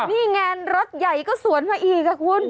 นี่แงงรถใหญ่ก็สวนมาอีก